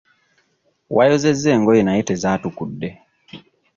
Wayozezza engoye naye tezaatukudde.